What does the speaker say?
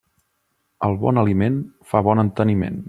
El bon aliment fa bon enteniment.